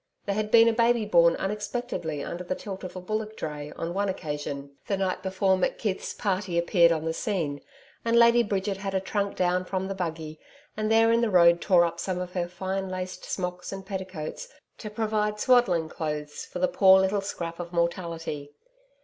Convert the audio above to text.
There had been a baby born unexpectedly under the tilt of a bullock dray, on one occasion, the night before McKeith's party appeared on the scene, and Lady Bridget had a trunk down from the buggy, and there in the road tore up some of her fine laced smocks and petticoats to provide swaddling clothes for the poor little scrap of mortality.